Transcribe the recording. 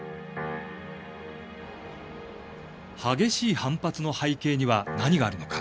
激しい反発の背景には何があるのか。